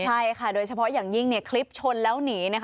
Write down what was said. ใช่ค่ะโดยเฉพาะอย่างยิ่งคลิปชนแล้วหนี